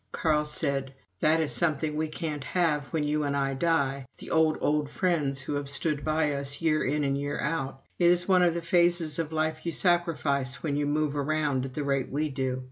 Carl said: "That is something we can't have when you and I die the old, old friends who have stood by us year in and year out. It is one of the phases of life you sacrifice when you move around at the rate we do.